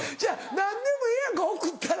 何でもええやんか送ったら。